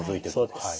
そうです。